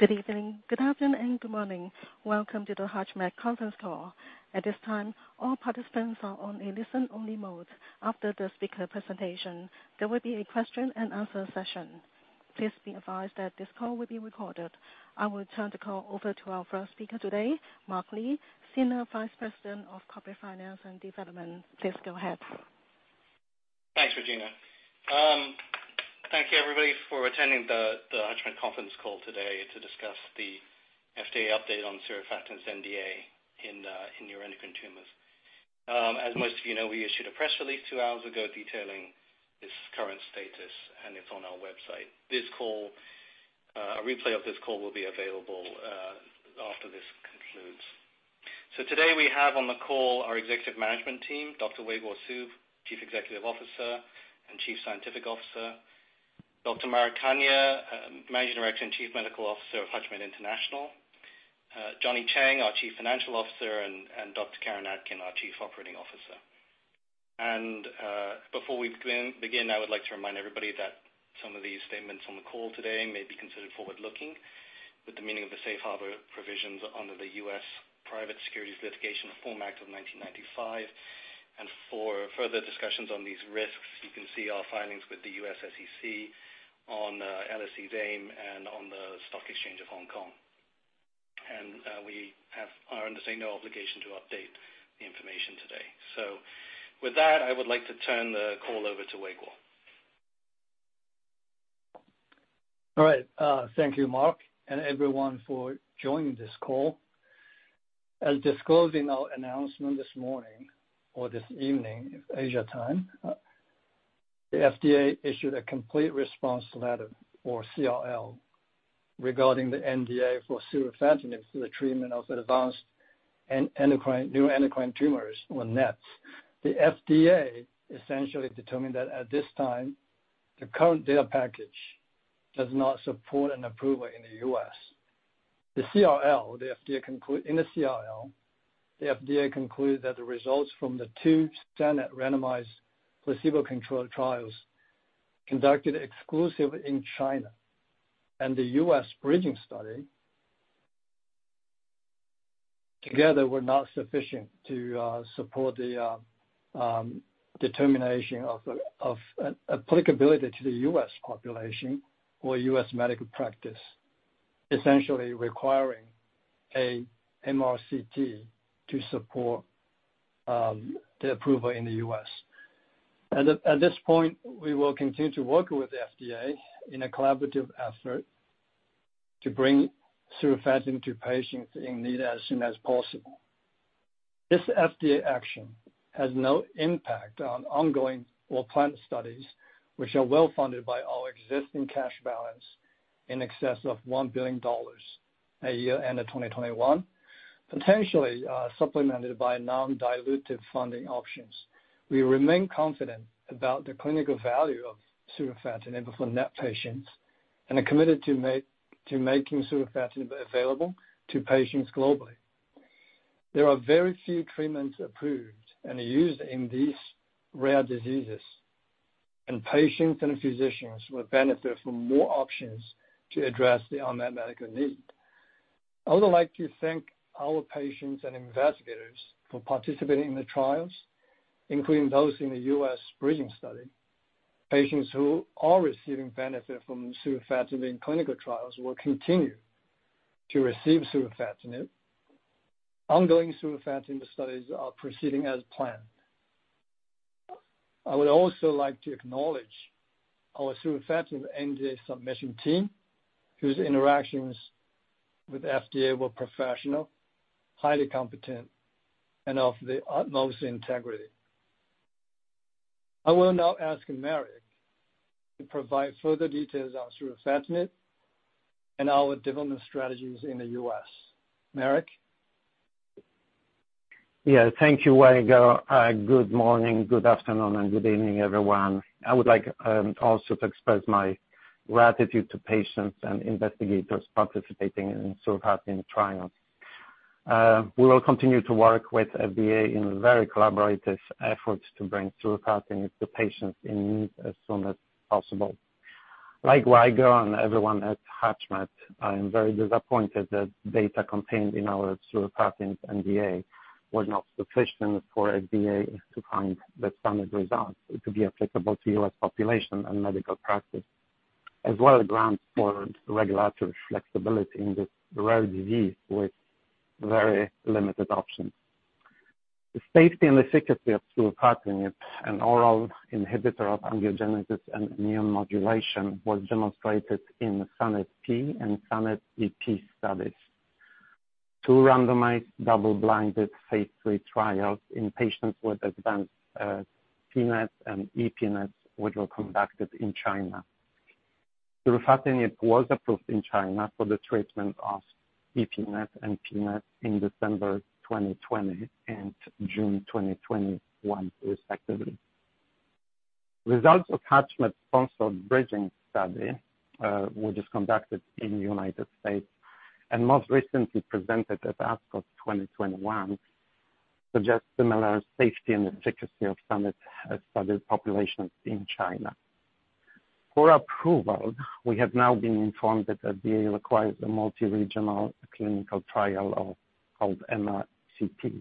Good evening, good afternoon, and good morning. Welcome to the HUTCHMED conference call. At this time, all participants are on a listen only mode. After the speaker presentation, there will be a question and answer session. Please be advised that this call will be recorded. I will turn the call over to our first speaker today, Mark Lee, Senior Vice President of Corporate Finance and Development. Please go ahead. Thanks, Regina. Thank you everybody for attending the HUTCHMED conference call today to discuss the FDA update on surufatinib's NDA in neuroendocrine tumors. As most of you know, we issued a press release two hours ago detailing this current status, and it's on our website. A replay of this call will be available after this concludes. Today we have on the call our executive management team, Dr. Weiguo Su, Chief Executive Officer and Chief Scientific Officer, Dr. Marek Kania, Managing Director and Chief Medical Officer of HUTCHMED International, Johnny Cheng, our Chief Financial Officer, and Dr. Karen Atkin, our Chief Operating Officer. Before we begin, I would like to remind everybody that some of these statements on the call today may be considered forward-looking within the meaning of the safe harbor provisions under the U.S. Private Securities Litigation Reform Act of 1995. For further discussions on these risks, you can see our filings with the U.S. SEC on LSE AIM and on the Stock Exchange of Hong Kong. We are under no obligation to update the information today. With that, I would like to turn the call over to Weiguo Su. All right. Thank you, Mark, and everyone for joining this call. As disclosed in our announcement this morning or this evening, Asia time, the FDA issued a complete response letter or CRL regarding the NDA for surufatinib for the treatment of advanced endocrine, neuroendocrine tumors or NETs. The FDA essentially determined that at this time, the current data package does not support an approval in the U.S. In the CRL, the FDA concluded that the results from the two standard randomized placebo-controlled trials conducted exclusively in China and the U.S. bridging study together were not sufficient to support the determination of applicability to the U.S. population or U.S. medical practice, essentially requiring a MRCT to support the approval in the U.S. At this point, we will continue to work with the FDA in a collaborative effort to bring surufatinib to patients in need as soon as possible. This FDA action has no impact on ongoing or planned studies, which are well-funded by our existing cash balance in excess of $1 billion at year-end of 2021, potentially supplemented by non-dilutive funding options. We remain confident about the clinical value of surufatinib for NET patients and are committed to making surufatinib available to patients globally. There are very few treatments approved and used in these rare diseases, and patients and physicians will benefit from more options to address the unmet medical need. I would like to thank our patients and investigators for participating in the trials, including those in the U.S. bridging study. Patients who are receiving benefit from surufatinib clinical trials will continue to receive surufatinib. Ongoing surufatinib studies are proceeding as planned. I would also like to acknowledge our surufatinib NDA submission team, whose interactions with FDA were professional, highly competent, and of the utmost integrity. I will now ask Marek to provide further details on surufatinib and our development strategies in the U.S. Marek? Yeah. Thank you, Weiguo. Good morning, good afternoon, and good evening, everyone. I would like also to express my gratitude to patients and investigators participating in surufatinib trials. We will continue to work with FDA in very collaborative efforts to bring surufatinib to patients in need as soon as possible. Like Weiguo and everyone at HUTCHMED, I am very disappointed that data contained in our surufatinib NDA was not sufficient for FDA to find the standard result to be applicable to U.S. population and medical practice, as well as grounds for regulatory flexibility in this rare disease with very limited options. The safety and efficacy of surufatinib, an oral inhibitor of angiogenesis and immune modulation, was demonstrated in SANET-p and SANET-ep studies. Two randomized double-blinded phase 3 trials in patients with advanced pNET and epNET, which were conducted in China. surufatinib was approved in China for the treatment of epNET and pNET in December 2020 and June 2021 respectively. Results of HUTCHMED-sponsored bridging study, which is conducted in the United States and most recently presented at ASCO 2021, suggest similar safety and efficacy of surufatinib study populations in China. For approval, we have now been informed that the FDA requires a multi-regional clinical trial, called MRCT,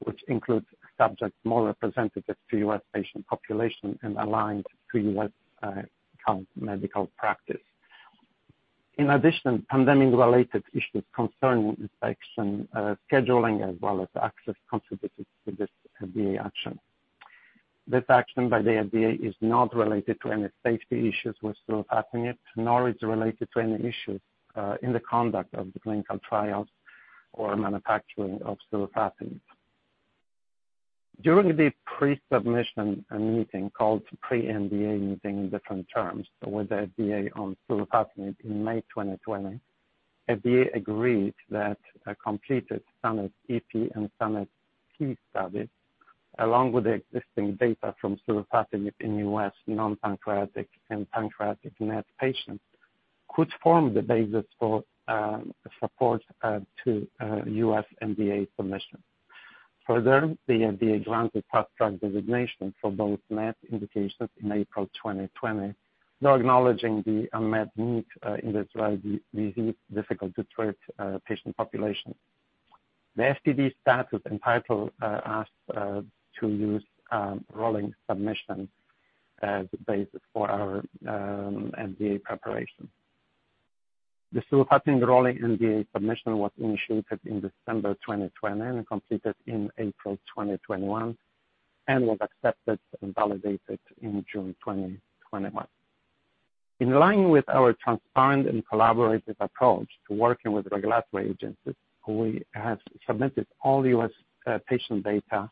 which includes subjects more representative to U.S. patient population and aligned to U.S. current medical practice. In addition, pandemic-related issues concerning effects on scheduling as well as access contributed to this FDA action. This action by the FDA is not related to any safety issues with surufatinib, nor is it related to any issues in the conduct of the clinical trials or manufacturing of surufatinib. During the pre-submission meeting called pre-NDA meeting, discussions with the FDA on selpercatinib in May 2020, FDA agreed that a completed SANET-ep and SANETstudies, along with the existing data from selpercatinib in U.S. non-pancreatic and pancreatic NET patients, could form the basis for support to U.S. NDA submission. Further, the FDA granted Fast Track designation for both NET indications in April 2020, now acknowledging the unmet need in this very difficult disease, difficult to treat patient population. The FTD status entitle us to use rolling submission as the basis for our NDA preparation. The selpercatinib rolling NDA submission was initiated in December 2020 and completed in April 2021, and was accepted and validated in June 2021. In line with our transparent and collaborative approach to working with regulatory agencies, we have submitted all U.S. patient data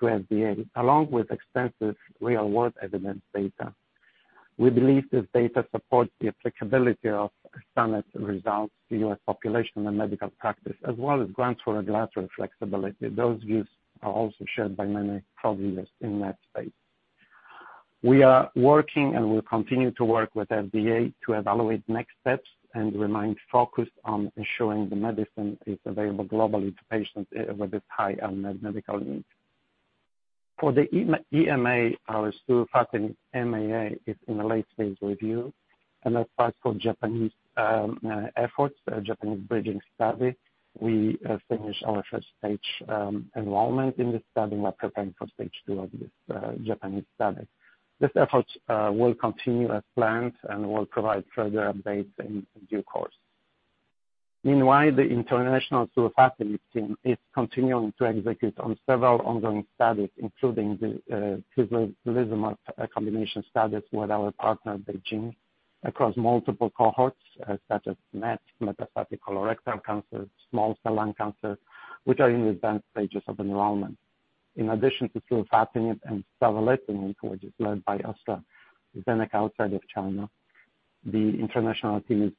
to FDA, along with extensive real-world evidence data. We believe this data supports the applicability of SANET results to U.S. population and medical practice, as well as grants regulatory flexibility. Those views are also shared by many thought leaders in that space. We are working and will continue to work with FDA to evaluate next steps and remain focused on ensuring the medicine is available globally to patients with this high unmet medical need. For the EMA, our surufatinib MAA is in a late phase review and applies for Japanese efforts, a Japanese bridging study. We have finished our first stage enrollment in this study and are preparing for stage two of this Japanese study. This effort will continue as planned and will provide further updates in due course. Meanwhile, the international selpercatinib team is continuing to execute on several ongoing studies, including combination studies with our partner BeiGene across multiple cohorts such as MET, metastatic colorectal cancer, small cell lung cancer, which are in advanced stages of enrollment. In addition to selpercatinib and savolitinib, which is led by AstraZeneca outside of China, the international teams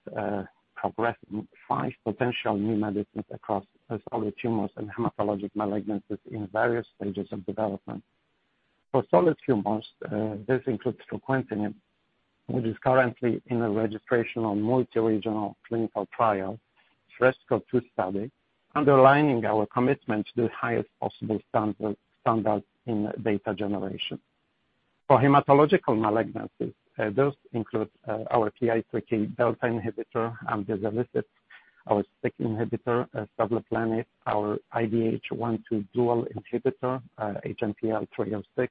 progressing five potential new medicines across solid tumors and hematologic malignancies in various stages of development. For solid tumors, this includes fruquintinib, which is currently in a registrational multi-regional clinical trial, FRESCO-2 study, underlining our commitment to the highest possible standards in data generation. For hematological malignancies, those include our PI3K delta inhibitor, amdizalisib, our SYK inhibitor, savolitinib, our IDH1/2 dual inhibitor, HMPL-306,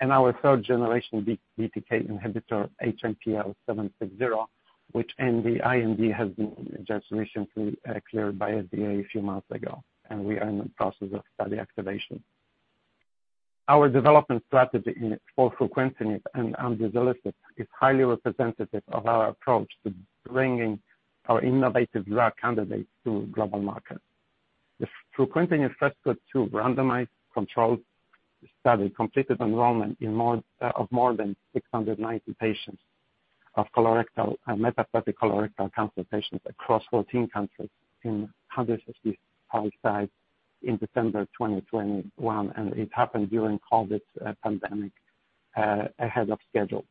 and our third generation BTK inhibitor, HMPL-760, which IND has been just recently cleared by FDA a few months ago, and we are in the process of study activation. Our development strategy in it for fruquintinib and amdizalisib is highly representative of our approach to bringing our innovative drug candidates to global markets. The fruquintinib FRESCO-2 randomized controlled study completed enrollment of more than 690 patients of colorectal and metastatic colorectal cancer patients across 14 countries in 165 sites in December 2021, and it happened during COVID pandemic ahead of schedule.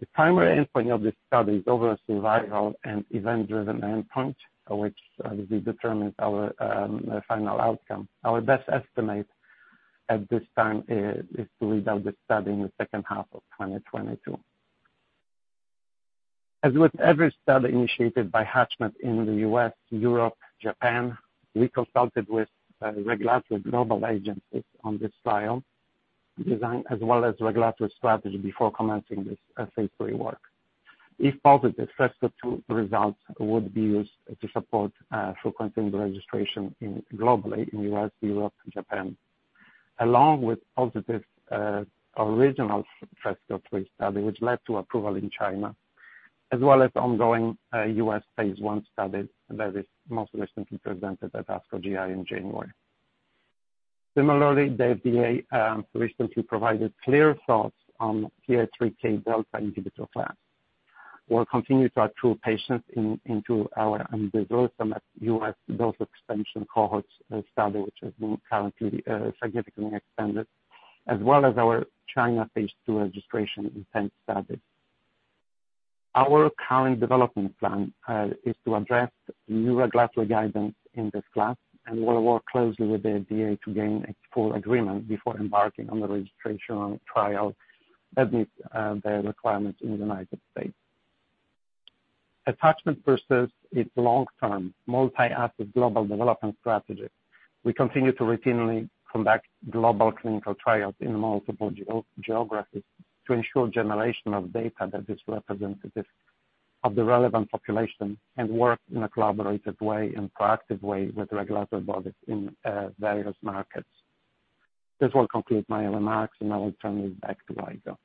The primary endpoint of this study is overall survival and event-driven endpoint, which will determine our final outcome. Our best estimate at this time is to read out this study in the second half of 2022. With every study initiated by HUTCHMED in the U.S., Europe, Japan, we consulted with regulatory global agencies on this trial design as well as regulatory strategy before commencing this phase 3 work. If positive, FRESCO-2 results would be used to support fruquintinib registration globally in U.S., Europe and Japan, along with positive original FRESCO-2 study, which led to approval in China, as well as ongoing U.S. phase 1 study that is most recently presented at ASCO GI in January. Similarly, the FDA recently provided clear thoughts on PI3Kδ inhibitor class. We'll continue to accrue patients in our amdizalisib US Delta expansion cohorts study, which has been currently significantly expanded, as well as our China phase two registration intent study. Our current development plan is to address new regulatory guidance in this class, and we'll work closely with the FDA to gain a full agreement before embarking on the registration trial that meets their requirements in the United States. In tandem with its long-term multi-asset global development strategy, we continue to routinely conduct global clinical trials in multiple geographies to ensure generation of data that is representative of the relevant population and work in a collaborative way and proactive way with regulatory bodies in various markets. This will conclude my remarks, and I will turn it back to Weiguo.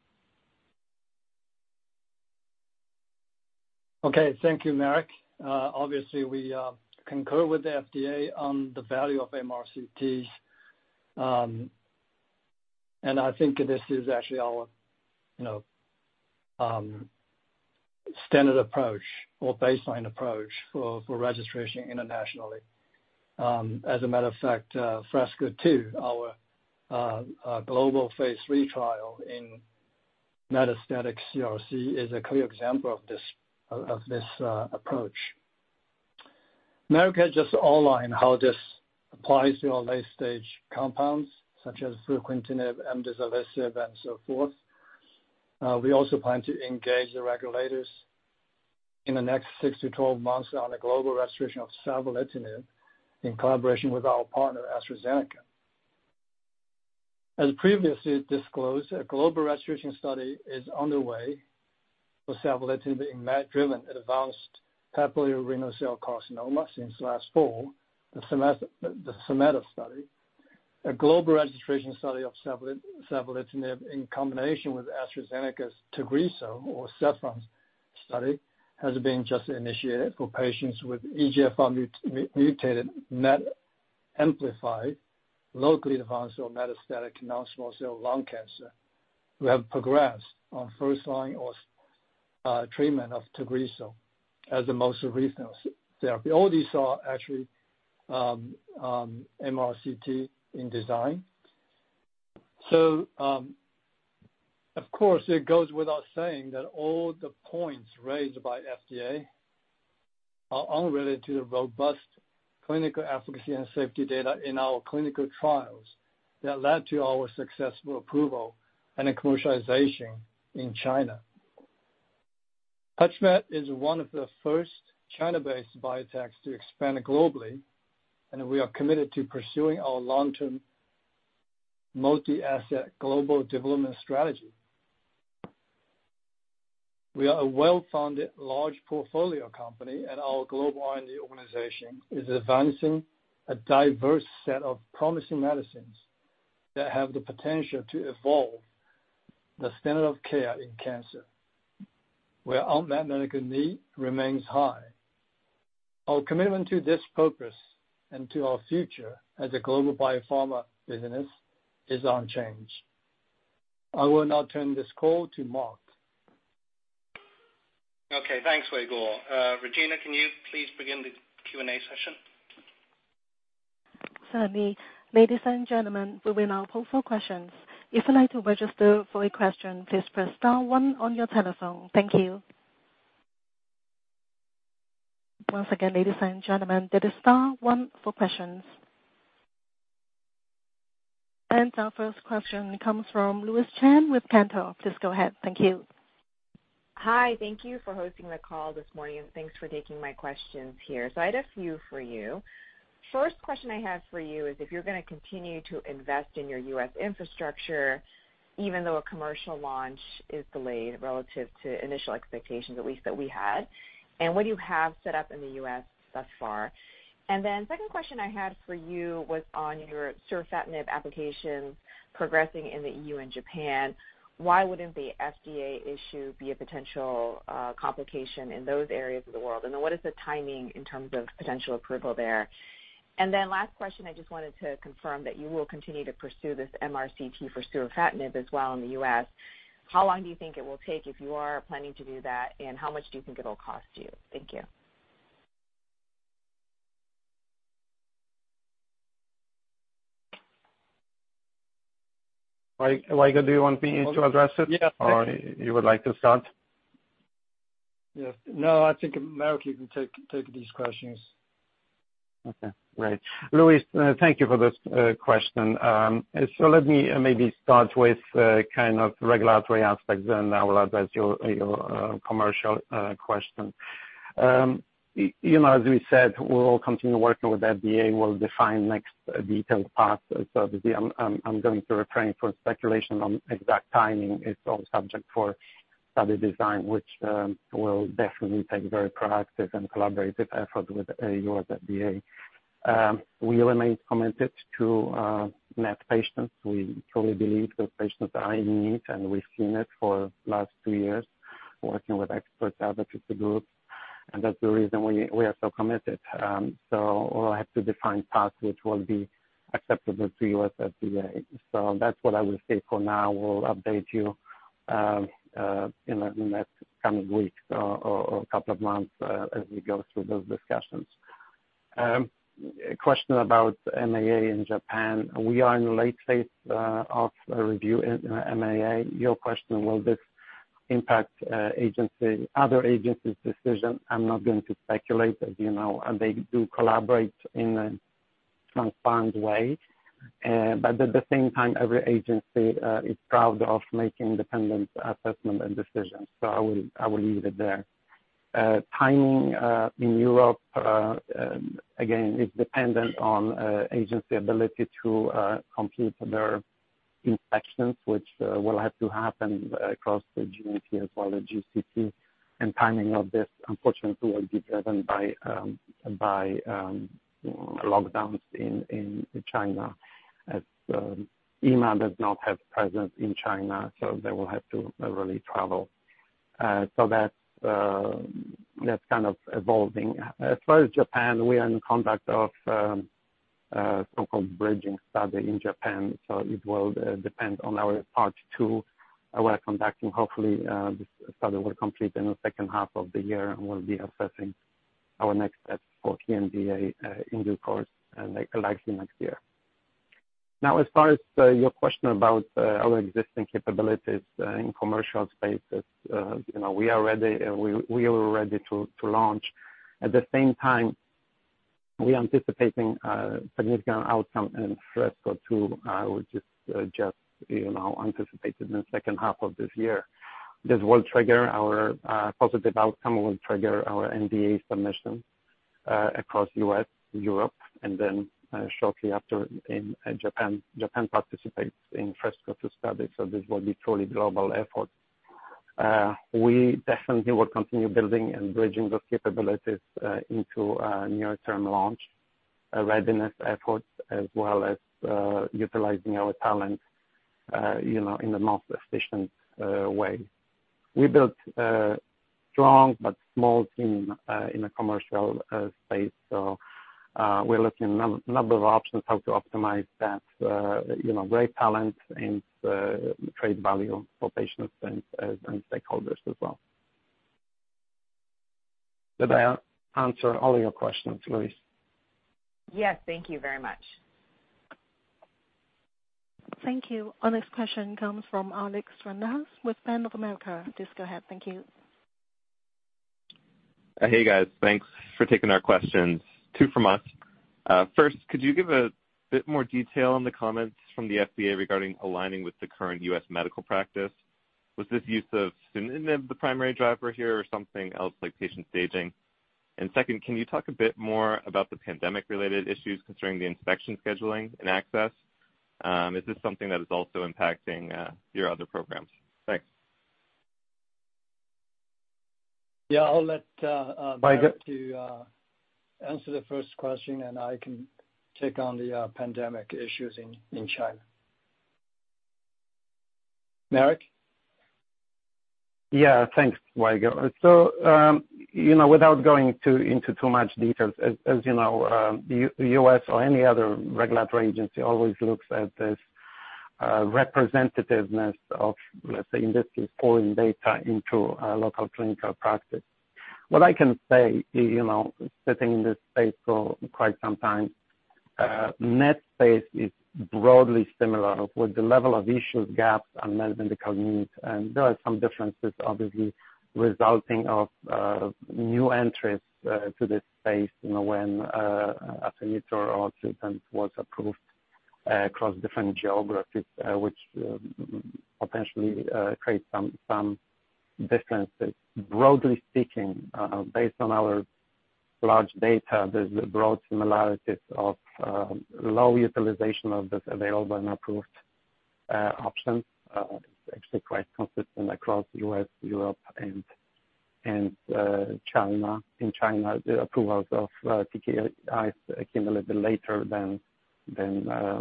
Okay, thank you, Marek. Obviously we concur with the FDA on the value of MRCTs. I think this is actually our, you know, standard approach or baseline approach for registration internationally. As a matter of fact, FRESCO-2, our global phase three trial in metastatic CRC is a clear example of this approach. Marek just outlined how this applies to our late-stage compounds such as fruquintinib, amdizalisib, and so forth. We also plan to engage the regulators in the next 6-12 months on a global registration of savolitinib in collaboration with our partner, AstraZeneca. As previously disclosed, a global registration study is underway for savolitinib in NET-driven advanced papillary renal cell carcinoma since last fall, the SAMETA study. A global registration study of savolitinib in combination with AstraZeneca's Tagrisso or SAVANNAH study has been just initiated for patients with EGFR mutated, MET amplified, locally advanced or metastatic non-small cell lung cancer who have progressed on first line treatment of Tagrisso as the most recent therapy. All these are actually MRCT in design. Of course, it goes without saying that all the points raised by FDA are unrelated to the robust clinical efficacy and safety data in our clinical trials that led to our successful approval and commercialization in China. HUTCHMED is one of the first China-based biotechs to expand globally, and we are committed to pursuing our long-term multi-asset global development strategy. We are a well-funded large portfolio company, and our global R&D organization is advancing a diverse set of promising medicines that have the potential to evolve the standard of care in cancer, where unmet medical need remains high. Our commitment to this purpose and to our future as a global biopharma business is unchanged. I will now turn this call to Mark. Okay, thanks, Weiguo. Regina, can you please begin the Q&A session? Certainly. Ladies and gentlemen, we will now open for questions. If you'd like to register for a question, please press star one on your telephone. Thank you. Once again, ladies and gentlemen, that is star one for questions. Our first question comes from Louise Chen with Cantor. Please go ahead. Thank you. Hi. Thank you for hosting the call this morning, and thanks for taking my questions here. I had a few for you. First question I had for you is if you're gonna continue to invest in your U.S. infrastructure even though a commercial launch is delayed relative to initial expectations, at least that we had. What do you have set up in the U.S. thus far? Second question I had for you was on your selpercatinib application progressing in the E.U. and Japan. Why wouldn't the FDA issue be a potential complication in those areas of the world? What is the timing in terms of potential approval there? Last question, I just wanted to confirm that you will continue to pursue this MRCT for selpercatinib as well in the U.S. How long do you think it will take if you are planning to do that? How much do you think it'll cost you? Thank you. Like, Weiguo, do you want me to address it? Yeah. You would like to start? Yes. No, I think Marek, you can take these questions. Okay. Great. Louise, thank you for this question. Let me maybe start with kind of regulatory aspects, then I will address your commercial question. You know, as we said, we will continue working with FDA. We'll define next detailed path. Obviously, I'm going to refrain from speculation on exact timing. It's all subject for study design, which will definitely take very proactive and collaborative effort with U.S. FDA. We remain committed to NET patients. We truly believe those patients are in need, and we've seen it for last two years working with experts, advocacy groups, and that's the reason we are so committed. We'll have to define path which will be acceptable to U.S. FDA. That's what I will say for now. We'll update you in the next coming weeks or couple of months as we go through those discussions. A question about MAA in Japan. We are in the late phase of a review in MAA. Your question, will this impact other agencies' decision? I'm not going to speculate, as you know, they do collaborate in a transparent way. At the same time, every agency is proud of making independent assessment and decisions. I will leave it there. Timing in Europe again is dependent on agency ability to complete their inspections, which will have to happen across the GMP as well, the GCP. Timing of this unfortunately will be driven by lockdowns in China, as EMA does not have presence in China, so they will have to really travel. That's kind of evolving. As far as Japan, we are in the conduct of so-called bridging study in Japan. It will depend on our part two we're conducting. Hopefully, the study will complete in the second half of the year, and we'll be assessing our next steps for PMDA in due course, likely next year. Now, as far as your question about our existing capabilities in commercial spaces, you know, we are ready, and we are ready to launch. At the same time, we're anticipating significant outcome in FRESCO-2, which is just, you know, anticipated in the second half of this year. This will trigger our positive outcome, will trigger our NDA submission across U.S., Europe, and then shortly after in Japan. Japan participates in FRESCO-2 study, so this will be truly global effort. We definitely will continue building and bridging those capabilities into a near-term launch readiness efforts as well as utilizing our talent, you know, in the most efficient way. We built a strong but small team in the commercial space. We're looking number of options how to optimize that, you know, great talent and create value for patients and stakeholders as well. Did I answer all of your questions, Louise? Yes. Thank you very much. Thank you. Our next question comes from Alec Stranahan with Bank of America. Please go ahead. Thank you. Hey, guys. Thanks for taking our questions. Two from us. First, could you give a bit more detail on the comments from the FDA regarding aligning with the current U.S. medical practice? Was this use of savolitinib the primary driver here or something else like patient staging? Second, can you talk a bit more about the pandemic-related issues concerning the inspection scheduling and access? Is this something that is also impacting, your other programs? Thanks. Yeah. I'll let Marek answer the first question, and I can take on the pandemic issues in China. Marek? Yeah. Thanks, Weiguo. You know, without going into too much details, as you know, the U.S. or any other regulatory agency always looks at this representativeness of, let's say, real-world data into a local clinical practice. What I can say, you know, sitting in this space for quite some time, the NET space is broadly similar with the level of issues, gaps, unmet medical needs. There are some differences, obviously, resulting from new entries to this space, you know, when Afinitor or Sutent was approved across different geographies, which potentially create some differences. Broadly speaking, based on our large data, there's broad similarities of low utilization of this available and approved options. It's actually quite consistent across U.S., Europe and China. In China, the approvals of TKI came a little bit later than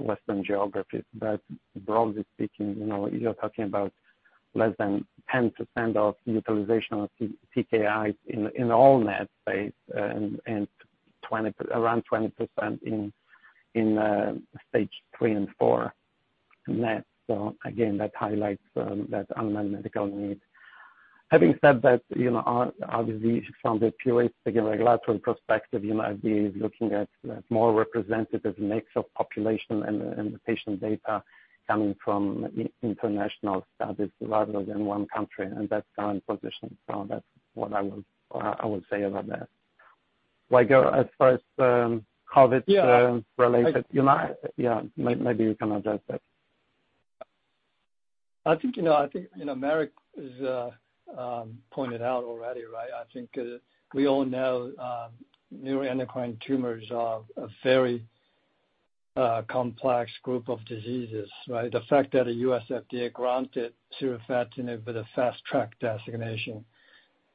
Western geographies. Broadly speaking, you know, you're talking about less than 10% of utilization of TKIs in all NET space and around 20% in stage 3 and 4 NET. Again, that highlights that unmet medical need. Having said that, you know, our view from the POs', the regulatory perspective, you know, the looking at more representative mix of population and the patient data coming from international studies rather than one country, and that's our position. That's what I would say about that. Weiguo, as far as COVID related. Yeah. You know, yeah, maybe you can address that. I think, you know, Marek has pointed out already, right? I think, we all know, neuroendocrine tumors are a very complex group of diseases, right? The fact that the U.S. FDA granted surufatinib with a Fast Track designation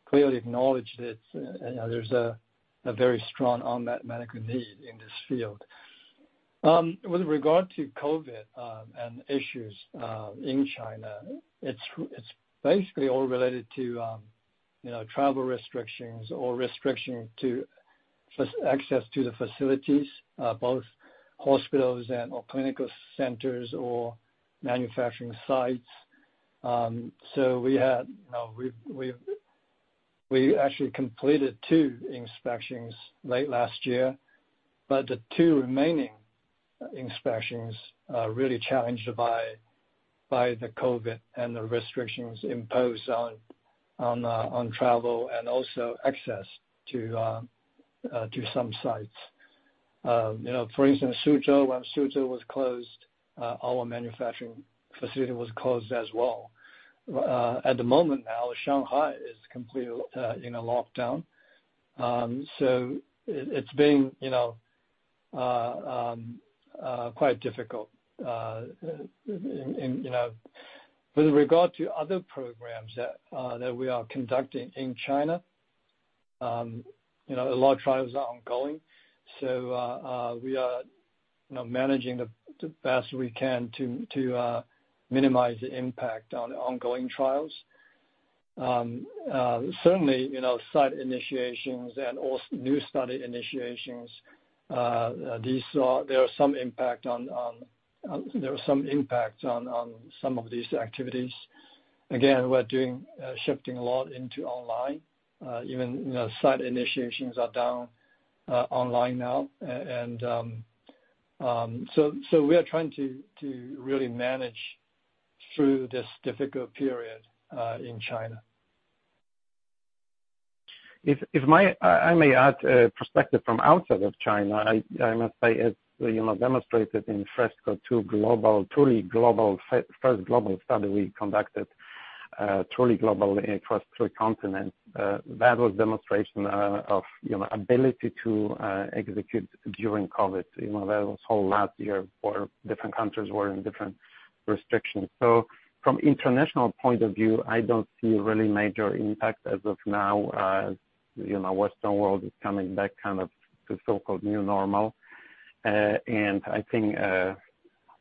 clearly acknowledged that, you know, there's a very strong unmet medical need in this field. With regard to COVID and issues in China, it's basically all related to, you know, travel restrictions or restriction to access to the facilities, both hospitals and/or clinical centers or manufacturing sites. We had, you know, actually completed two inspections late last year, but the two remaining inspections are really challenged by the COVID and the restrictions imposed on travel and also access to some sites. You know, for instance, Suzhou. When Suzhou was closed, our manufacturing facility was closed as well. At the moment now, Shanghai is completely in a lockdown. It's been, you know, quite difficult. You know, with regard to other programs that we are conducting in China, you know, a lot of trials are ongoing, so we are, you know, managing the best we can to minimize the impact on ongoing trials. Certainly, you know, site initiations and new study initiations, there are some impact on some of these activities. Again, we're shifting a lot into online, even, you know, site initiations are done online now. We are trying to really manage through this difficult period in China. I may add a perspective from outside of China. I must say, as you know, demonstrated in FRESCO-2 global, truly global first global study we conducted, truly global across three continents, that was demonstration of you know, ability to execute during COVID. You know, that was whole last year where different countries were in different restrictions. From international point of view, I don't see a really major impact as of now. You know, Western world is coming back kind of to so-called new normal. I think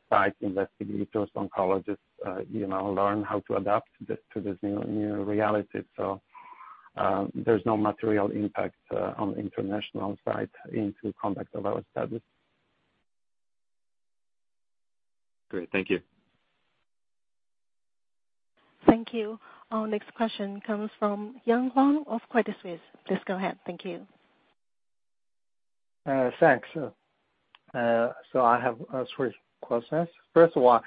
site investigators, oncologists you know, learn how to adapt this to this new reality. There's no material impact on international sites in the conduct of our studies. Great. Thank you. Thank you. Our next question comes from Yang Huang of Credit Suisse. Please go ahead. Thank you. Thanks. I have three questions. First of all,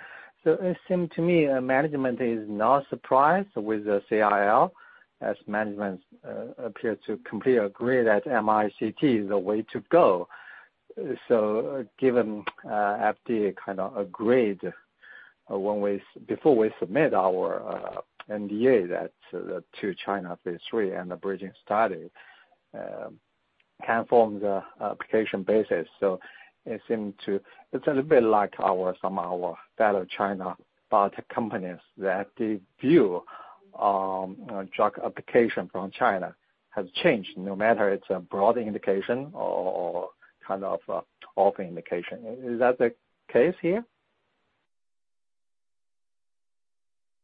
it seems to me management is not surprised with the CRL, as management appear to completely agree that MRCT is the way to go. Given FDA kind of agreed before we submit our NDA that the China phase 3 and the bridging study can form the application basis. It’s a little bit like some of our fellow China biotech companies that the view on drug application from China has changed no matter it’s a broad indication or kind of off indication. Is that the case here?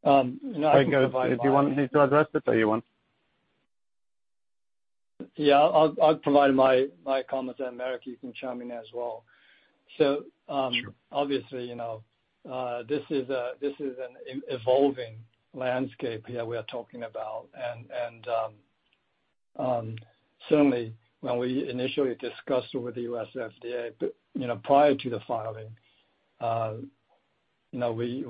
No, I can provide my- If you want me to address it or you want. Yeah. I'll provide my comments, and Marek, you can chime in as well. Sure. Obviously, you know, this is an evolving landscape here we are talking about. Certainly when we initially discussed with the U.S. FDA, you know, prior to the filing, you know, we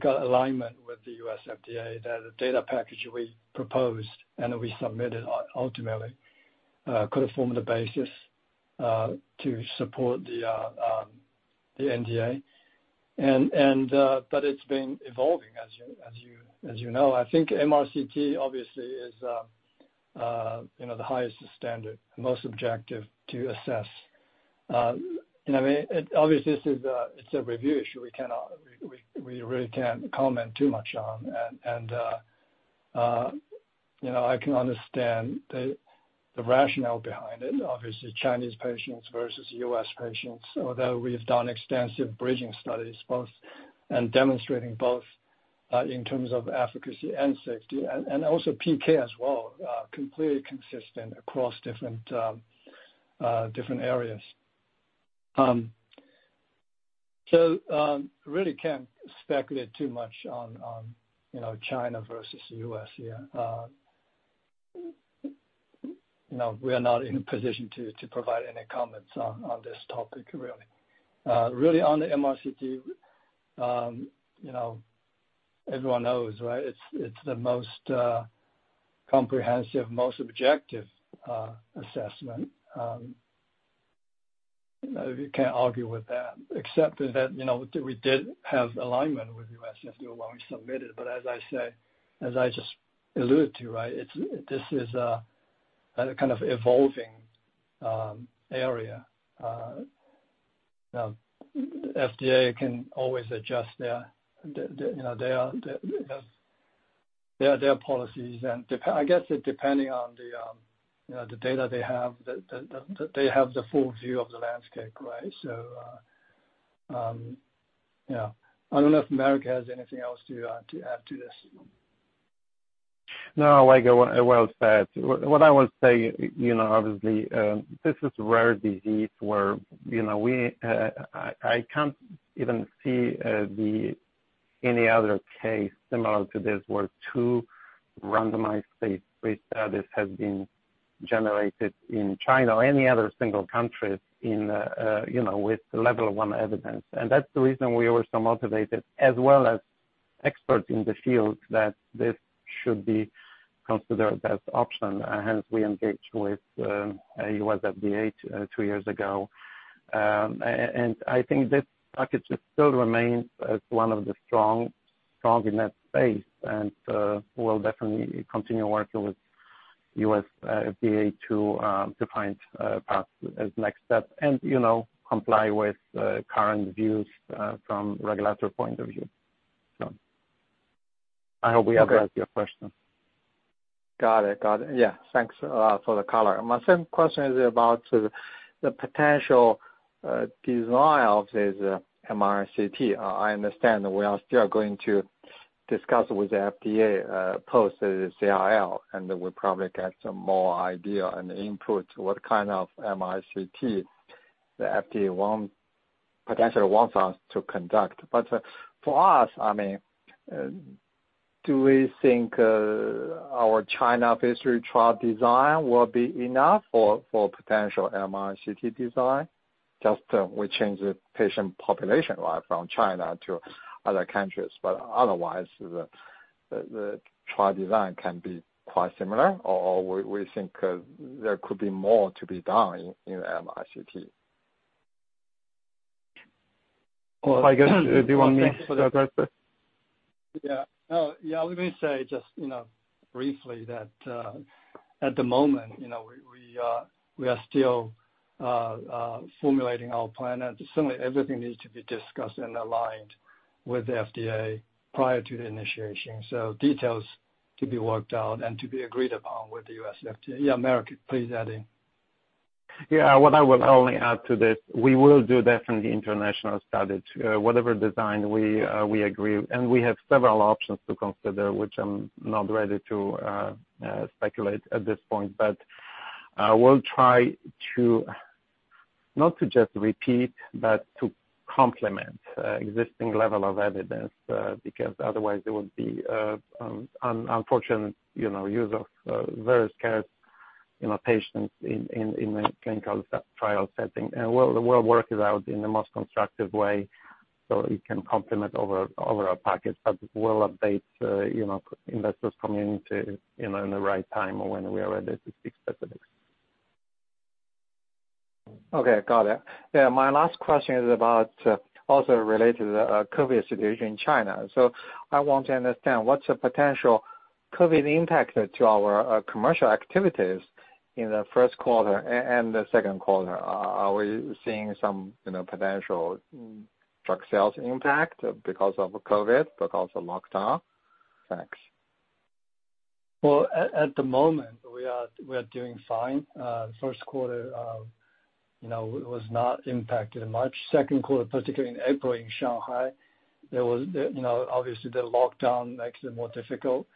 got alignment with the U.S. FDA that the data package we proposed and that we submitted ultimately could have formed the basis to support the NDA. But it's been evolving as you know. I think MRCT obviously is the highest standard, most objective to assess. You know what I mean? Obviously, this is a review issue. We really can't comment too much on. You know, I can understand the rationale behind it, obviously, Chinese patients versus U.S. patients, although we've done extensive bridging studies and demonstrating in terms of efficacy and safety and also PK as well, completely consistent across different areas. Really can't speculate too much on, you know, China versus U.S. here. You know, we are not in a position to provide any comments on this topic really. Really on the MRCT, you know, everyone knows, right, it's the most comprehensive, most objective assessment. You know, you can't argue with that except that, you know, we did have alignment with U.S. FDA when we submitted. As I say, as I just alluded to, right, this is a kind of evolving area. You know, FDA can always adjust their policies. I guess it depending on the, you know, the data they have, they have the full view of the landscape, right? Yeah. I don't know if Marek has anything else to add to this. No, like, well said. What I would say, you know, obviously, this is rare disease where, you know, we, I can't even see any other case similar to this, where two randomized phase 3 studies has been generated in China or any other single country in, you know, with level one evidence. That's the reason we were so motivated, as well as experts in the field, that this should be considered as an option, hence we engaged with U.S. FDA two years ago. I think this package still remains as one of the strong in that space. We'll definitely continue working with U.S. FDA to define path as next step and, you know, comply with current views from regulatory point of view. I hope we answered your question. Okay. Got it. Yeah, thanks for the color. My second question is about the potential design of this MRCT. I understand we are still going to discuss with the FDA post the CRL, and we'll probably get some more idea and input what kind of MRCT the FDA wants us to conduct. For us, I mean, do we think our China phase 3 trial design will be enough for potential MRCT design? Just we change the patient population, right, from China to other countries, but otherwise the trial design can be quite similar, or we think there could be more to be done in MRCT? Well, I guess, do you want me to address that? Yeah. No. Yeah, let me say just, you know, briefly that, at the moment, you know, we are still formulating our plan. Certainly everything needs to be discussed and aligned with the FDA prior to the initiation. Details to be worked out and to be agreed upon with the U.S. FDA. Yeah, Marek, please add in. Yeah. What I will only add to this, we will do definitely international studies, whatever design we agree, and we have several options to consider, which I'm not ready to speculate at this point. We'll try to not just repeat, but to complement existing level of evidence, because otherwise it would be unfortunately, you know, use of very scarce, you know, patients in clinical trial setting. We'll work it out in the most constructive way, so it can complement over our package. We'll update, you know, investor community, you know, in the right time or when we are ready to speak specifics. Okay, got it. Yeah, my last question is about also related to the COVID situation in China. I want to understand what's the potential COVID impact to our commercial activities in the first quarter and the second quarter? Are we seeing some, you know, potential drug sales impact because of COVID, because of lockdown? Thanks. Well, at the moment we are doing fine. First quarter, you know, was not impacted much. Second quarter, particularly in April in Shanghai, you know, obviously the lockdown makes it more difficult.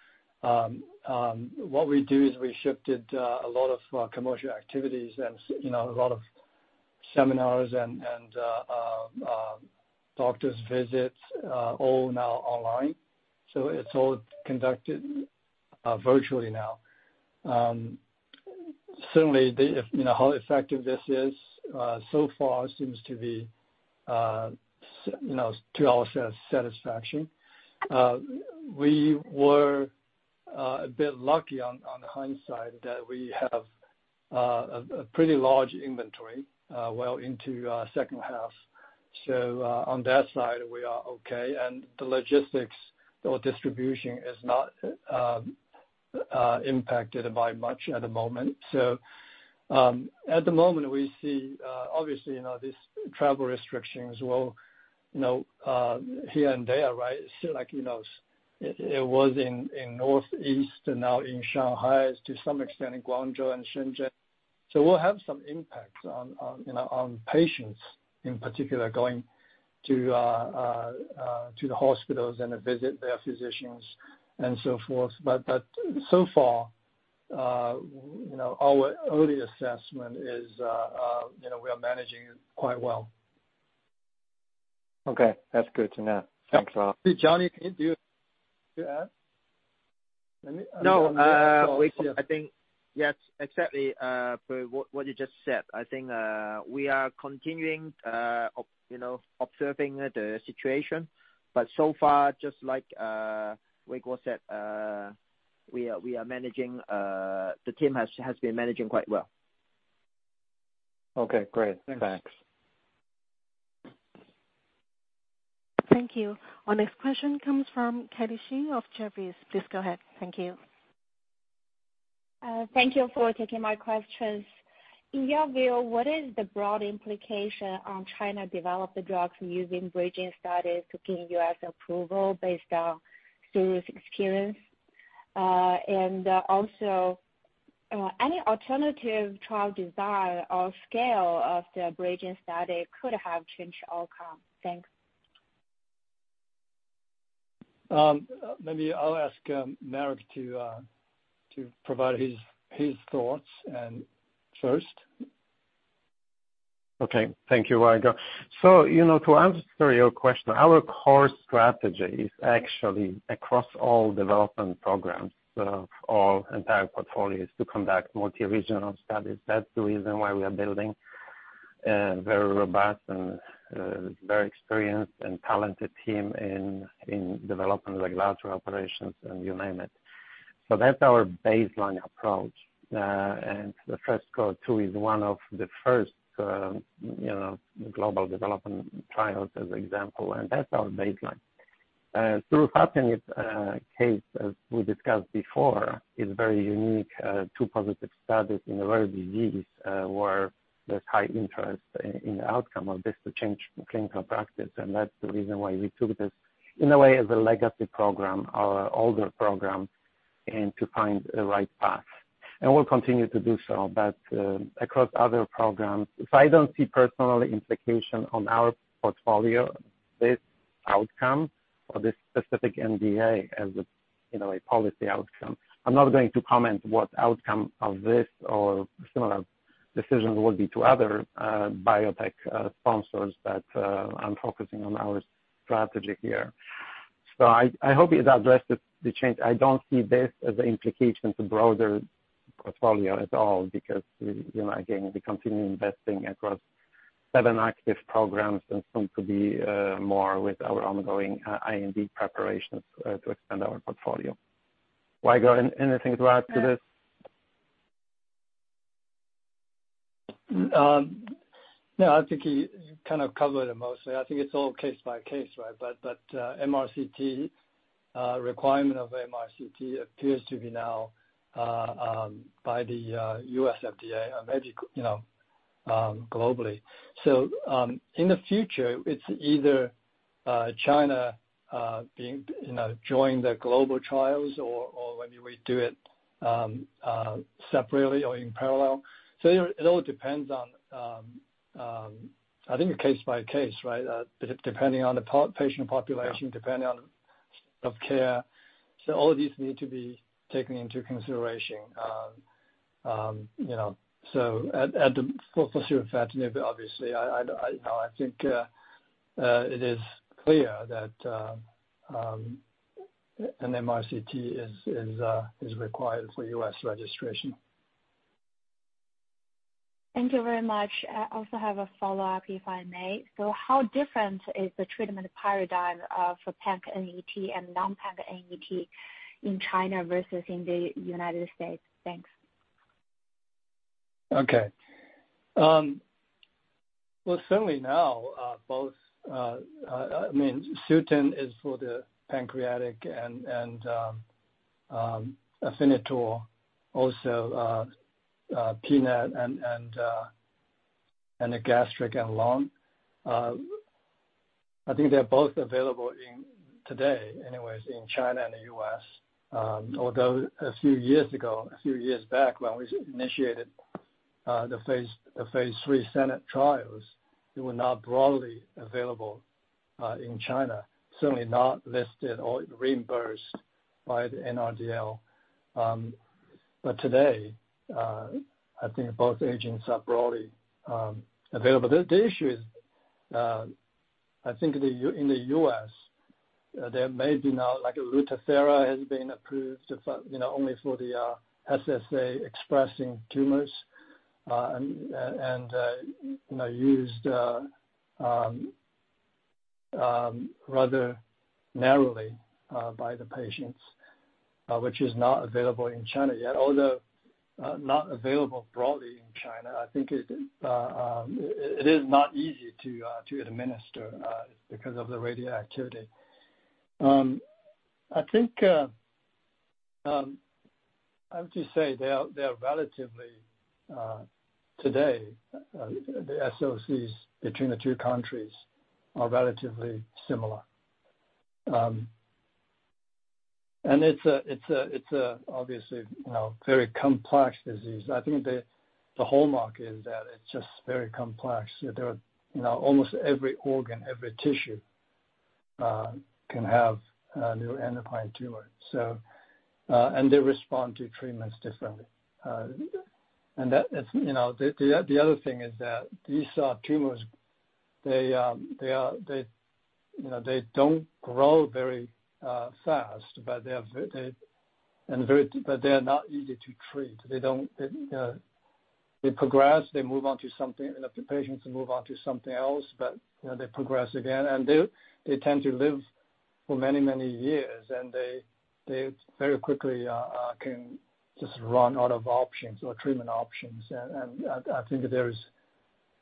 What we do is we shifted a lot of commercial activities and, you know, a lot of seminars and doctors' visits, all now online, so it's all conducted virtually now. Certainly, you know, how effective this is so far seems to be, you know, to our satisfaction. We were a bit lucky in hindsight that we have a pretty large inventory well into second half. On that side, we are okay. The logistics or distribution is not impacted by much at the moment. At the moment, we see, obviously, you know, these travel restrictions will, you know, here and there, right? Like, you know, it was in Northeast and now in Shanghai, to some extent in Guangzhou and Shenzhen. We'll have some impact on, you know, on patients in particular, going to the hospitals and to visit their physicians and so forth. But so far, you know, our early assessment is, you know, we are managing it quite well. Okay. That's good to know. Thanks a lot. Johnny, can you do to add? Let me No, I think yes, exactly per what you just said. I think we are continuing, you know, observing the situation. So far, just like Weiguo said, we are managing. The team has been managing quite well. Okay, great. Thanks. Thanks. Thank you. Our next question comes from Katie Xu of Jefferies. Please go ahead. Thank you. Thank you for taking my questions. In your view, what is the broad implication on China-developed drugs using bridging studies to gain U.S. approval based on Chinese experience? Also, any alternative trial design or scale of the bridging study could have changed outcome? Thanks. Maybe I'll ask Marek to provide his thoughts and first. Okay. Thank you, Weiguo. You know, to answer your question, our core strategy is actually across all development programs of all entire portfolios to conduct multi-regional studies. That's the reason why we are building very robust and very experienced and talented team in development like regulatory operations, and you name it. That's our baseline approach. The FRESCO-2 is one of the first global development trials as an example, and that's our baseline. Surufatinib is a case as we discussed before, is very unique, two positive studies in a rare disease, where there's high interest in the outcome of this to change clinical practice. That's the reason why we took this in a way as a legacy program, our older program, and to find the right path. We'll continue to do so. Across other programs, if I don't see personal implication on our portfolio, this outcome or this specific NDA as a, you know, a policy outcome. I'm not going to comment what outcome of this or similar decisions will be to other biotech sponsors, but, I'm focusing on our strategy here. I hope it addresses the change. I don't see this as an implication to broader portfolio at all because we, you know, again, we continue investing across seven active programs and soon to be more with our ongoing IND preparations to expand our portfolio. Weiguo, anything to add to this? No, I think you kind of covered it mostly. I think it's all case by case, right? The requirement of MRCT appears to be now by the U.S. FDA and maybe, you know, globally. In the future, it's either China being, you know, joining the global trials or maybe we do it separately or in parallel. It all depends on, I think, case by case, right? Depending on the patient population, depending on standard of care. All of these need to be taken into consideration. You know, for sure, that may be obviously, I think it is clear that an MRCT is required for U.S. registration. Thank you very much. I also have a follow-up, if I may. How different is the treatment paradigm for pNET and non-pNET in China versus in the United States? Thanks. Okay. Well, certainly now, both, I mean, Sutent is for the pancreatic and Afinitor also, pNET and the gastric and lung. I think they're both available today, anyway, in China and the U.S., although a few years ago, a few years back when we initiated the phase three SANET trials, they were not broadly available in China, certainly not listed or reimbursed by the NRDL. Today, I think both agents are broadly available. The issue is, I think in the U.S., there may be now like Lutathera has been approved for, you know, only for the SSA-expressing tumors, and you know, used rather narrowly by the patients, which is not available in China yet, although not available broadly in China. I think it is not easy to administer because of the radioactivity. I think I would just say they are relatively today the SOCs between the two countries are relatively similar. It's obviously, you know, very complex disease. I think the hallmark is that it's just very complex. There are, you know, almost every organ, every tissue can have a neuroendocrine tumor. They respond to treatments differently. That is, you know, the other thing is that these tumors, they are, you know, they don't grow very fast, but they're not easy to treat. They progress, they move on to something, and if the patients move on to something else, but, you know, they progress again and they tend to live for many years and they very quickly can just run out of options or treatment options. I think there is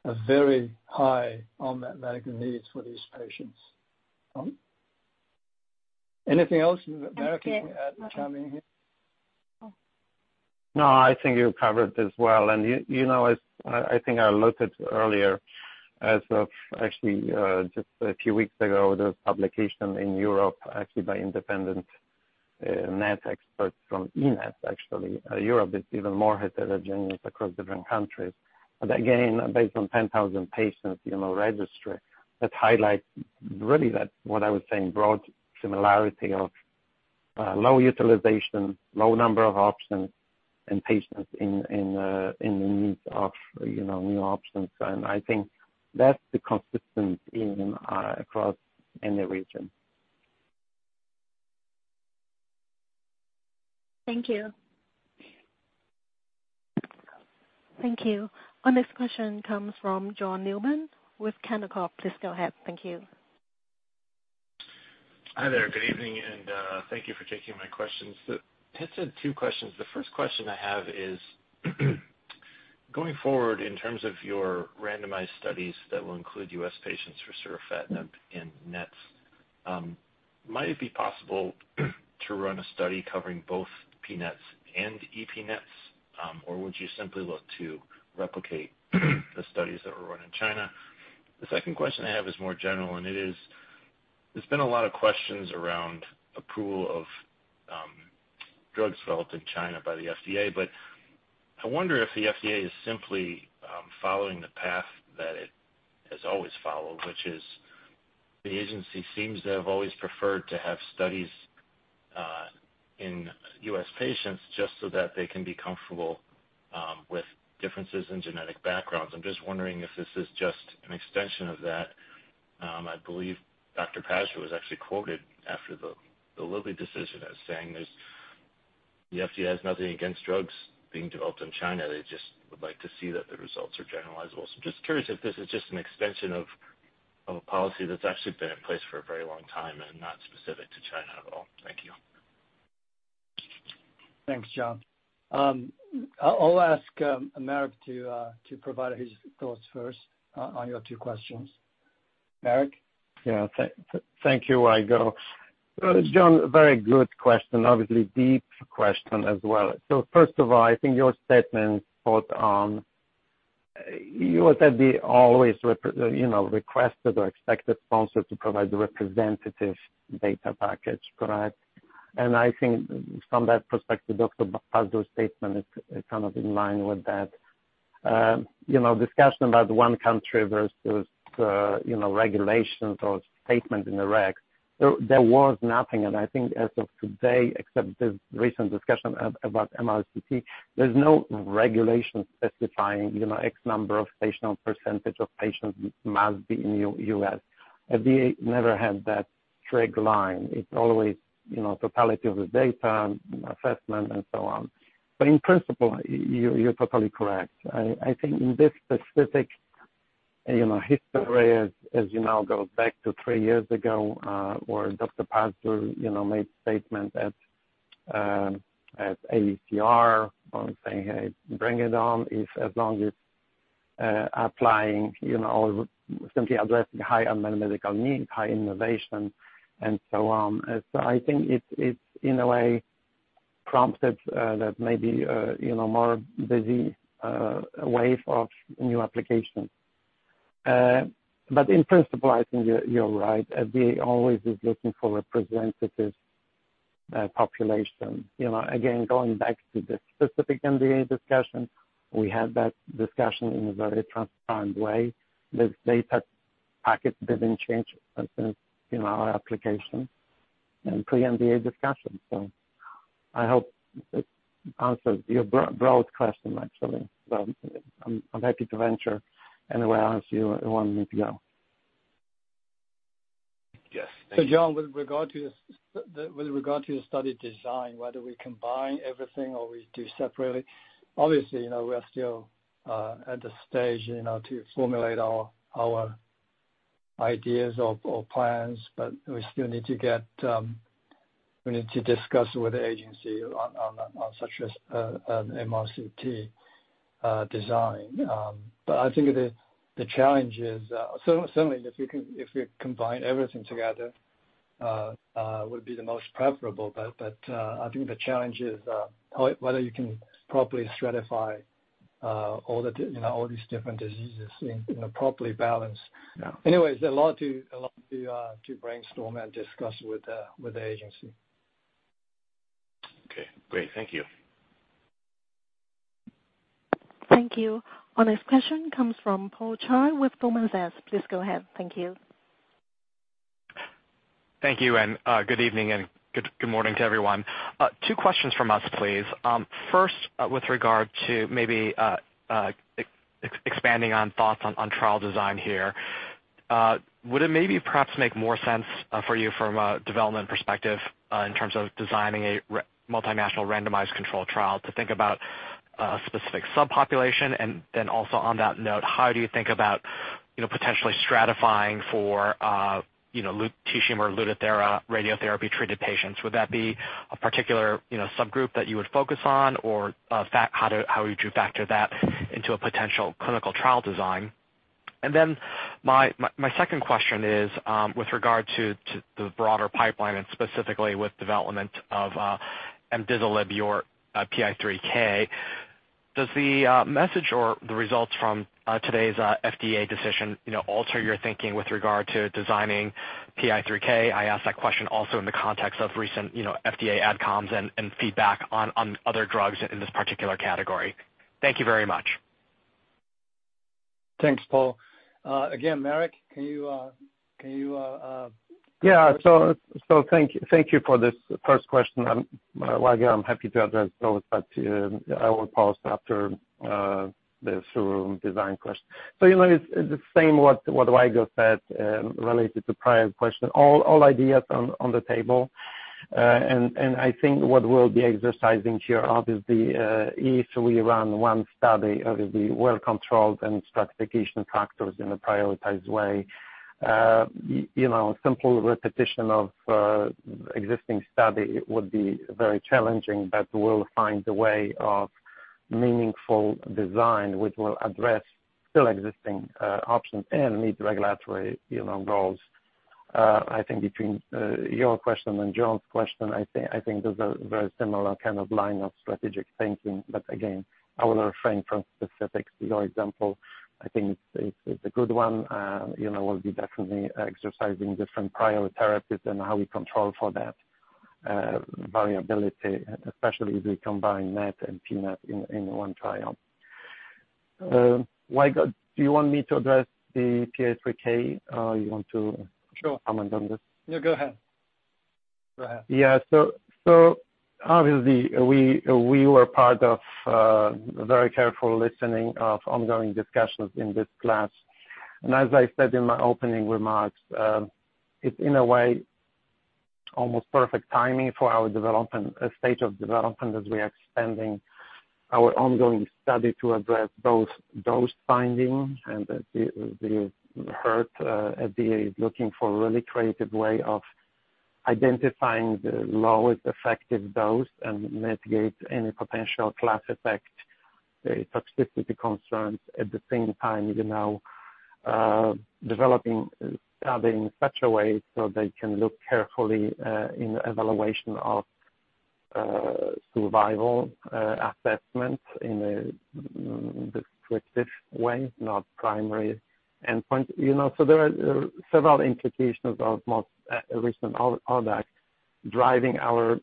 a very high unmet medical needs for these patients. Anything else, Marek, you can add, or Xiaoming? Okay. Okay. No, I think you covered as well. You know, as I think I looked at earlier as of actually just a few weeks ago, there was publication in Europe actually by independent NET experts from ENETS, actually. Europe is even more heterogeneous across different countries. Again, based on 10,000 patients, you know, registry, that highlights really that what I was saying, broad similarity of low utilization, low number of options and patients in the need of, you know, new options. I think that's consistent in across any region. Thank you. Thank you. Our next question comes from John Newman with Canaccord. Please go ahead. Thank you. Hi there. Good evening and thank you for taking my questions. I have two questions. The first question I have is going forward, in terms of your randomized studies that will include U.S. patients for surufatinib and NETs, might it be possible to run a study covering both PNETs and epNETs, or would you simply look to replicate the studies that were run in China? The second question I have is more general, and it is, there's been a lot of questions around approval of drugs developed in China by the FDA. I wonder if the FDA is simply following the path that it has always followed, which is the agency seems to have always preferred to have studies in U.S. patients just so that they can be comfortable with differences in genetic backgrounds. I'm just wondering if this is just an extension of that. I believe Dr. Pazdur was actually quoted after the Eli Lilly decision as saying that the FDA has nothing against drugs being developed in China. They just would like to see that the results are generalizable. Just curious if this is just an extension of a policy that's actually been in place for a very long time and not specific to China at all. Thank you. Thanks, John. I'll ask Marek to provide his thoughts first on your two questions. Marek? Yeah. Thank you, Weiguo. John, very good question. Obviously, deep question as well. First of all, I think your statement about the U.S. FDA always requested or expected sponsor to provide the representative data package, correct? I think from that perspective, Dr. Pazdur's statement is kind of in line with that. You know, discussion about one country versus regulations or statement in the record, there was nothing. I think as of today, except this recent discussion about MRCT, there's no regulation specifying, you know, X number of patient or percentage of patients must be in U.S., FDA never had that bright line. It's always, you know, totality of the data, assessment, and so on. In principle, you're totally correct. I think in this specific, you know, history as you now go back to three years ago, where Dr. Pazdur, you know, made statement at ASCO on saying, "Hey, bring it on," if as long as applying, you know, simply addressing high unmet medical needs, high innovation, and so on. I think it's in a way prompted that maybe, you know, more busy wave of new applications. In principle, I think you're right. FDA always is looking for representative population. You know, again, going back to the specific NDA discussion, we had that discussion in a very transparent way. The data packets didn't change since, you know, our application and pre-NDA discussion. I hope it answers your broad question actually. I'm happy to venture anywhere else you want me to go. Yes. Thank you. John, with regard to the study design, whether we combine everything or we do separately, obviously, you know, we are still at the stage, you know, to formulate our ideas or plans. We still need to discuss with the agency on such as MRCT design. But I think the challenge is, so certainly if we combine everything together, would be the most preferable. I think the challenge is, whether you can properly stratify all these different diseases in, you know, properly balance. Yeah. Anyways, a lot to brainstorm and discuss with the agency. Okay, great. Thank you. Thank you. Our next question comes from Paul Choi with Goldman Sachs. Please go ahead. Thank you. Thank you, and good evening and good morning to everyone. Two questions from us, please. First, with regard to maybe expanding on thoughts on trial design here, would it maybe perhaps make more sense for you from a development perspective in terms of designing a multinational randomized controlled trial to think about specific subpopulation? And then also on that note, how do you think about, you know, potentially stratifying for, you know, lutetium or Lutathera radiotherapy-treated patients? Would that be a particular, you know, subgroup that you would focus on? Or, in fact, how would you factor that into a potential clinical trial design? My second question is with regard to the broader pipeline and specifically with development of amdizalisib, your PI3Kδ. Does the message or the results from today's FDA decision, you know, alter your thinking with regard to designing PI3Kδ? I ask that question also in the context of recent, you know, FDA adcoms and feedback on other drugs in this particular category. Thank you very much. Thanks, Paul. Again, Marek, can you Yeah. Thank you for this first question. While I go, I'm happy to address those, but I will pause after the surufatinib design question. You know, it's the same what Weiguo said related to prior question. All ideas on the table. I think what we'll be exercising here obviously if we run one study, obviously well-controlled and stratification factors in a prioritized way. You know, simple repetition of existing study would be very challenging, but we'll find a way of meaningful design which will address still existing options and meet regulatory goals. I think between your question and John's question, those are very similar kind of line of strategic thinking. Again, I will refrain from specifics. Your example, I think it's a good one. You know, we'll be definitely exercising different prior therapies and how we control for that variability, especially if we combine NET and pNET in one trial. Weiguo, do you want me to address the PI3K, or you want to- Sure. Comment on this? No, go ahead. Go ahead. Yeah. Obviously we were part of a very careful listening of ongoing discussions in this call. As I said in my opening remarks, it's in a way almost perfect timing for our development stage of development as we are expanding our ongoing study to address those dose findings and we heard FDA is looking for a really creative way of identifying the lowest effective dose and mitigate any potential class effect, the toxicity concerns. At the same time, you know, developing study in such a way so they can look carefully in the evaluation of survival assessments in a descriptive way, not primary endpoint. You know, there are several implications of most recent ODAC driving our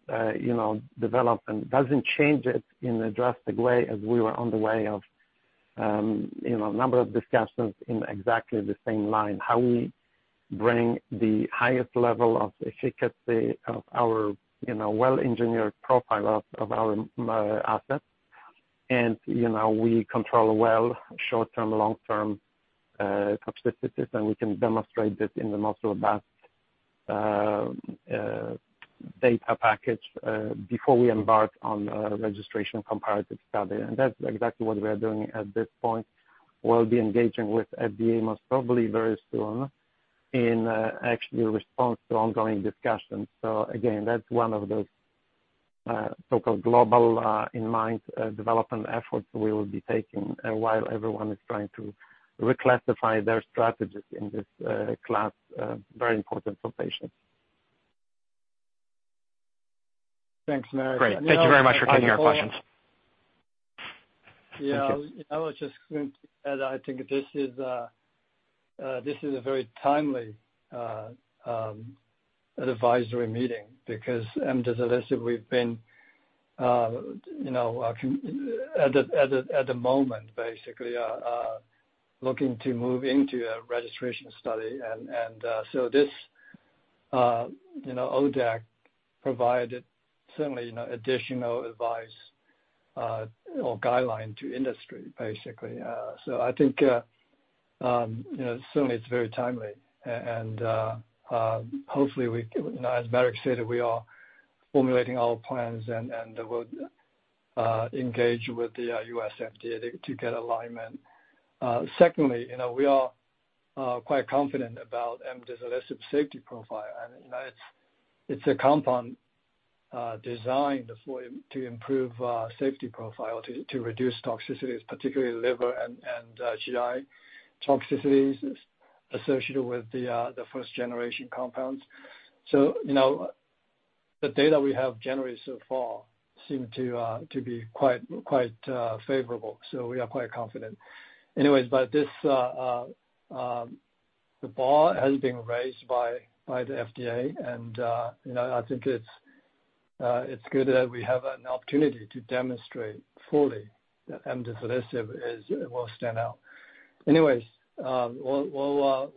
development. Doesn't change it in a drastic way as we were on the way of, you know, number of discussions in exactly the same line, how we bring the highest level of efficacy of our, you know, well-engineered profile of our assets. You know, we control well short-term, long-term toxicities, and we can demonstrate this in the most robust data package before we embark on a registration comparative study. That's exactly what we are doing at this point. We'll be engaging with FDA most probably very soon in actually a response to ongoing discussions. Again, that's one of those so-called global in mind development efforts we will be taking while everyone is trying to reclassify their strategies in this class, very important for patients. Thanks, Marek. Great. Thank you very much for taking our questions. Yeah. Thank you. I was just going to add, I think this is a very timely advisory meeting because amdizalisib we've been, you know, at the moment basically are looking to move into a registration study. This ODAC provided certainly, you know, additional advice or guideline to industry, basically. I think, you know, certainly it's very timely and, hopefully we, you know, as Marek said, we are formulating our plans and will engage with the U.S. FDA to get alignment. Secondly, you know, we are quite confident about amdizalisib safety profile and, you know, it's a compound designed to improve safety profile to reduce toxicities, particularly liver and GI toxicities associated with the first generation compounds. You know, the data we have generated so far seem to be quite favorable. We are quite confident. Anyways, the bar has been raised by the FDA and, you know, I think it's good that we have an opportunity to demonstrate fully that amdizalisib will stand out. Anyways, we'll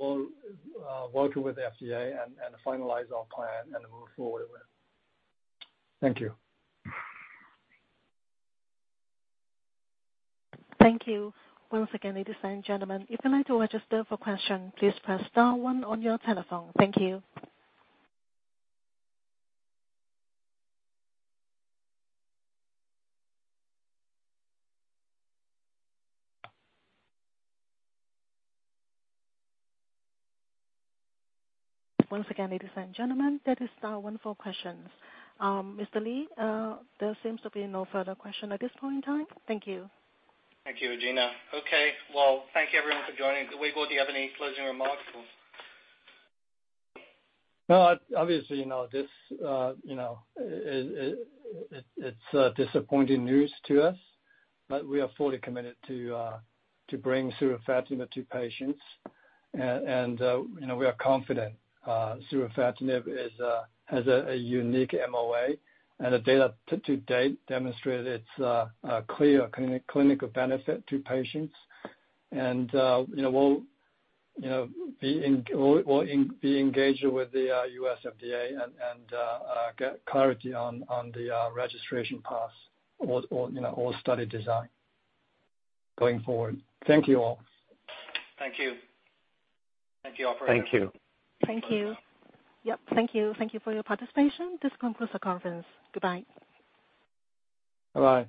work with the FDA and finalize our plan and move forward with. Thank you. Thank you once again, ladies and gentlemen. If you'd like to register for question, please press star one on your telephone. Thank you. Once again, ladies and gentlemen, that is star one for questions. Mr. Lee, there seems to be no further question at this point in time. Thank you. Thank you, Regina. Okay. Well, thank you everyone for joining. Weiguo, do you have any closing remarks or? No. Obviously, you know, this, you know, it's a disappointing news to us, but we are fully committed to bring surufatinib to patients. You know, we are confident surufatinib has a unique MOA and the data to date demonstrate its clear clinical benefit to patients. You know, we'll be engaged with the U.S. FDA and get clarity on the registration path or study design going forward. Thank you all. Thank you. Thank you, operator. Thank you. Thank you. Yep. Thank you. Thank you for your participation. This concludes the conference. Goodbye. Bye-bye.